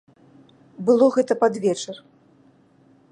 Было гэта пад вечар.